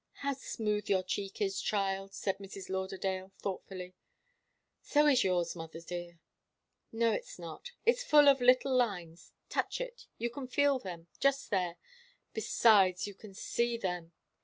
"How smooth your cheek is, child!" said Mrs. Lauderdale, thoughtfully. "So is yours, mother dear." "No it's not. It's full of little lines. Touch it you can feel them just there. Besides you can see them."